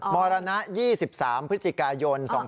มรณะช๒๓พย๒๕๖๕